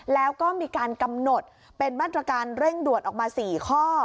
แล้วก็มีการกำหนดเป็นมาตรการเร่งด่วนออกมา๔ข้อ